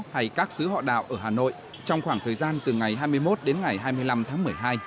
hay các xứ họ đạo ở hà nội trong khoảng thời gian từ ngày hai mươi một đến ngày hai mươi năm tháng một mươi hai